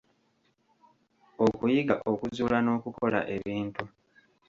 Okuyiga okuzuula n'okukola ebintu.